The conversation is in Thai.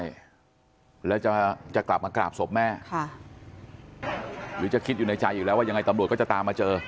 ใช่แล้วจะจะกลับมากราบศพแม่ค่ะหรือจะคิดอยู่ในใจอยู่แล้วว่ายังไงตำรวจก็จะตามมาเจอ